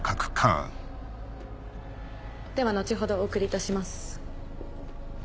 では後ほどお送りいたします。